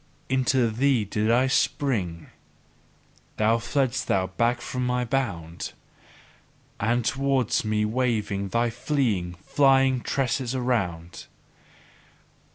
Unto thee did I spring: then fledst thou back from my bound; and towards me waved thy fleeing, flying tresses round!